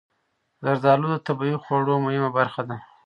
زردالو د طبعي خواړو مهمه برخه ده.